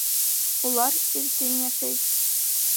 Улар иркен йәшәй